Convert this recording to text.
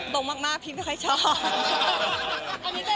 ตรงมากพี่ไม่ค่อยชอบ